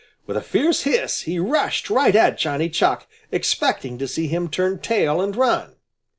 With a fierce hiss he rushed right at Johnny Chuck, expecting to see him turn tail and run.